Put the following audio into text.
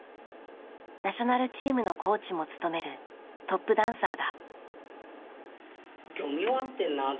ナショナルチームのコーチも務めるトップダンサーだ。